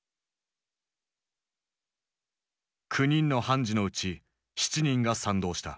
９人の判事のうち７人が賛同した。